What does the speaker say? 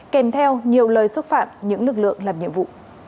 kèm theo nhiều lời xúc phạm những lực lượng làm nhiệm vụ